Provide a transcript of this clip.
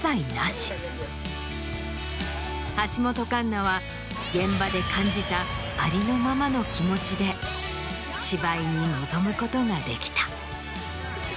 橋本環奈は現場で感じたありのままの気持ちで芝居に臨むことができた。